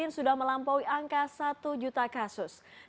sudah melampaui angka satu juta kasus